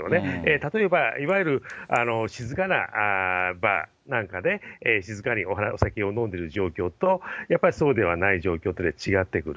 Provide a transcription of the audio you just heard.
例えばいわゆる静かな場なんかで、静かにお酒を飲んでる状況と、やっぱりそうではない状況とで違ってくる。